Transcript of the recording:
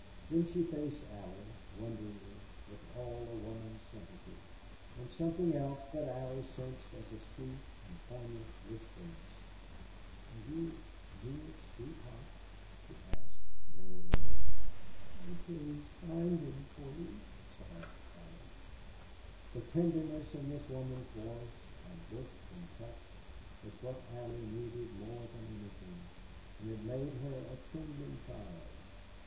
Then she faced Allie, wonderingly, with all a woman's sympathy, and something else that Allie sensed as a sweet and poignant wistfulness. "Are you Neale's sweetheart?" she asked, very low. "Oh please find him for me!" sobbed Allie. The tenderness in this woman's voice and look and touch was what Allie needed more than anything, and it made her a trembling child.